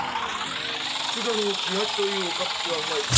佃の喜八という岡っ引きはお前か？